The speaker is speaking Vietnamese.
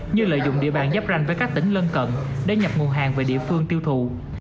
như lợi dụng địa bàn giáp ranh với các tỉnh lân cận để nhập nguồn hàng về địa phương tiêu thụ